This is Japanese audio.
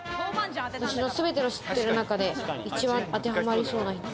私の全て知ってる中で一番当てはまりそうな。